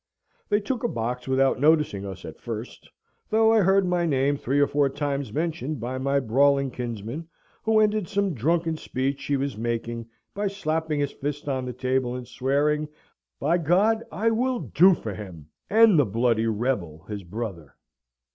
They took a box without noticing us at first, though I heard my name three or four times mentioned by my brawling kinsman, who ended some drunken speech he was making by slapping his fist on the table, and swearing, "By , I will do for him, and the bloody rebel, his brother!"